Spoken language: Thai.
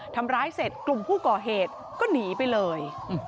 ทำร้ายเสร็จกลุ่มผู้ก่อเหตุก็หนีไปเลย